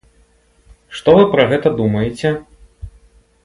Што вы пра гэта думаеце?